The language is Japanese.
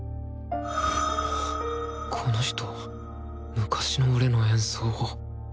この人昔の俺の演奏を。